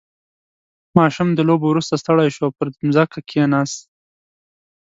• ماشوم د لوبو وروسته ستړی شو او پر ځمکه کښېناست.